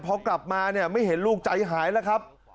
พอกลับมาเนี่ยไม่เห็นลูกใจหายแล้วครับ